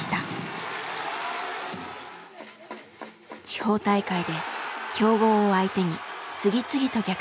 地方大会で強豪を相手に次々と逆転勝利。